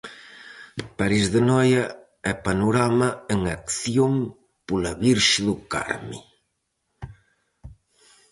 París de Noia e panorama en acción pola Virxe do Carme!